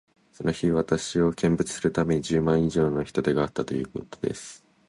その日、私を見物するために、十万人以上の人出があったということです。